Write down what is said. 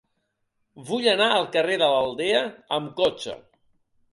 Vull anar al carrer de l'Aldea amb cotxe.